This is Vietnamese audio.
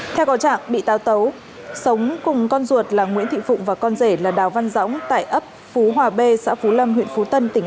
theo cầu trạng bị tào tấu sống cùng con ruột là nguyễn thị phụng và con rể là đào văn dõng tại ấp phú